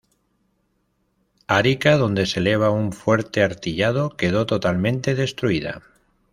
Arica, donde se elevaba un fuerte artillado, quedó totalmente destruida.